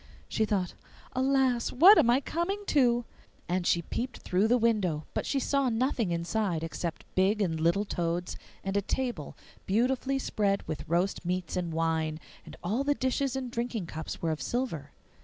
She thought, 'Alas! what am I coming to?' and peeped through the window; but she saw nothing inside except big and little toads, and a table beautifully spread with roast meats and wine, and all the dishes and drinking cups were of silver.